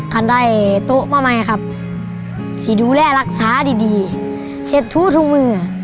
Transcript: ท่านได้โต๊ะมาใหม่ครับที่ดูแลรักษาดีดีเช็ดทู้ทุกมือ